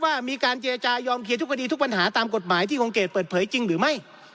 ว่ามีการเจรจายอมเคลียร์ทุกคดีทุกปัญหาตามกฎหมายที่คงเกรดเปิดเผยจริงหรือไม่